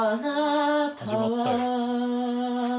始まったよ。